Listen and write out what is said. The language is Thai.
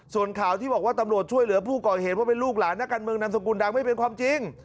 ส่วนข่าวที่บอกว่าตำรวจช่วยเหลือผู้ก่อเหตุว่าเป็นลูกหลานนักการเมืองนามสกุลดังไม่เป็นความจริง